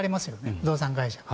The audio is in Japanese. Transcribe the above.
不動産会社が。